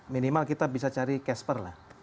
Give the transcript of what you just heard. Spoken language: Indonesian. minimal kita bisa cari casper lah